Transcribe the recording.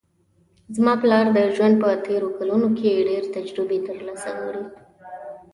زما پلار د ژوند په تېرو کلونو کې ډېر تجربې ترلاسه کړې ده